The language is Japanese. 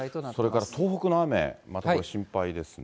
それから東北の雨、また心配ですね。